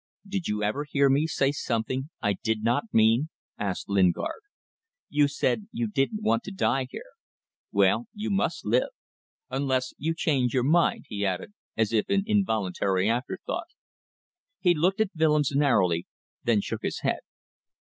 "Did you ever hear me say something I did not mean?" asked Lingard. "You said you didn't want to die here well, you must live ... Unless you change your mind," he added, as if in involuntary afterthought. He looked at Willems narrowly, then shook his head.